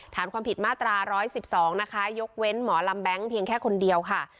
ฐานความผิดมาตรา๑๑๒นะคะยกเว้นหมอลำแบงค์เพียงแค่คนเดียวค่ะ